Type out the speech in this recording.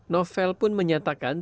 novel pun menyatakan